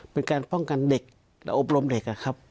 เป็นการป้องกันเด็กและอบรมเด็กนะครับ